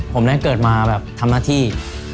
ผมได้เกิดมาแบบทำหน้าที่